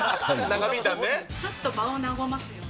ちょっと場を和ますような。